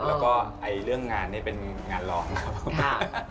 แล้วก็เรื่องงานนี่เป็นงานร้องครับผม